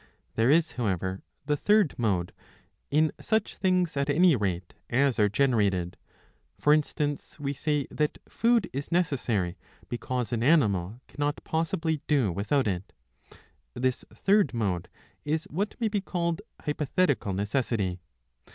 '^ There is, however, the third mode, in such things at any rate as are generated. For instance, we say that food is necessary ; because an animal cannot possibly do without it. This third mode is what may be called hypothetical necessity.